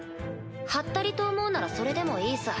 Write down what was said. ハッタリと思うならそれでもいいさ。